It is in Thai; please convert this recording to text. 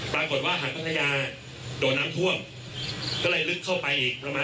สวัสดีครับ